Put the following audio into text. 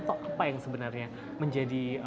atau apa yang sebenarnya menjadi